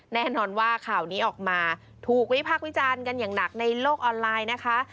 แน่นอนว่าข่าวนี้ออกมาถูกวิพากษ์วิจารณ์กันอย่างหนักในโลกออนไลน์นะคะ